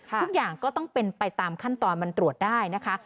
ทุกอย่างก็ต้องเป็นไปตามขั้นตอนมันตรวจได้นะคะ